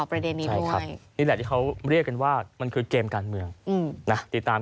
เพราะว่าช่วงนี้มันหนาหูมากจริงจริง